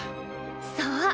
そう！